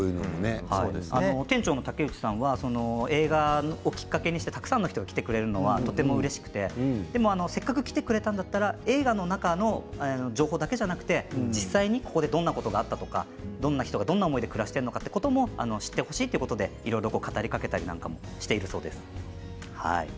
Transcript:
店長の竹内さんは映画をきっかけにしてたくさんの人が来てくれるのはうれしくてでもせっかく来てくれたら映画の中の情報だけじゃなくて、実際にここでどんなことがあったのかどんな人がどんな思いで暮らしているのか知ってほしいということでいろいろ語りかけたりしているそうです。